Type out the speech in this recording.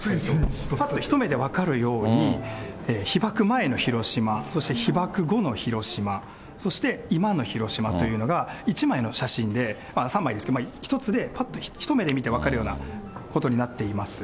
一目で分かるように、被爆前の広島、そして被爆後の広島、そして今の広島というのが１枚の写真で、３枚の写真ですけれども、一目でぱっと見て分かるようなことになっています。